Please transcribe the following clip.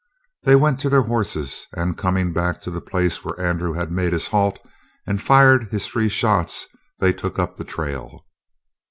They went to their horses, and, coming back to the place where Andrew had made his halt and fired his three shots, they took up the trail.